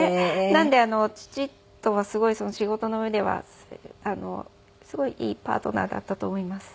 なんで父とはすごい仕事の上ではすごいいいパートナーだったと思います。